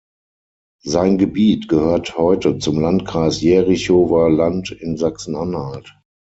Sein Gebiet gehört heute zum Landkreis Jerichower Land in Sachsen-Anhalt.